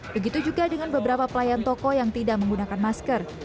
begitu juga dengan beberapa pelayan toko yang tidak menggunakan masker